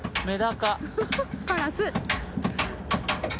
カラス。